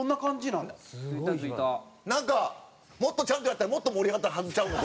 なんかもっとちゃんとやったらもっと盛り上がったはずちゃうの？